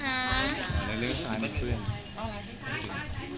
หรือลืมสายบ้างเพื่อน